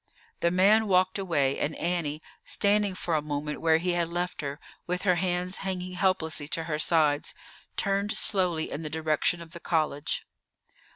The man walked away, and Annie, standing for a moment where he had left her, with her hands hanging helplessly to her sides, turned slowly in the direction of the college.